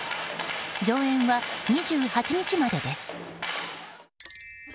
上演は２８日までです。